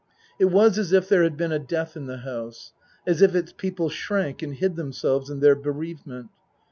It was as if there had been a death in the house ; as if its people shrank and hid themselves in their bereavement.